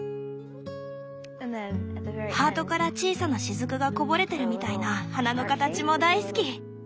ハートから小さな滴がこぼれてるみたいな花の形も大好き。